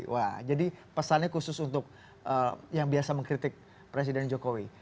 wah jadi pesannya khusus untuk yang biasa mengkritik presiden jokowi